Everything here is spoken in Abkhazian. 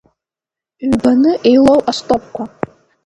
Ҩбаны еилоу астопқәа.